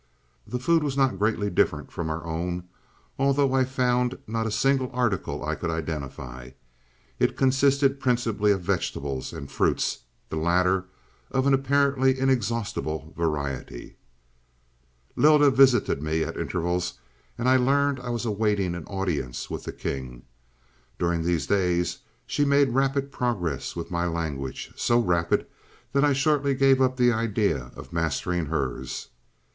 "The food was not greatly different from our own, although I found not a single article I could identify. It consisted principally of vegetables and fruits, the latter of an apparently inexhaustible variety. "Lylda visited me at intervals, and I learned I was awaiting an audience with the king. During these days she made rapid progress with my language so rapid that I shortly gave up the idea of mastering hers.